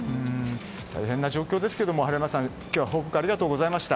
大変な状況ですけれども今日は春山さん報告ありがとうございました。